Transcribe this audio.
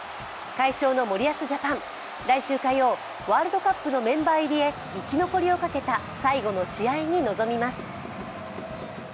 快勝の森保ジャパン、来週火曜、ワールドカップのメンバー入りへ生き残りをかけた最後の試合に臨みます。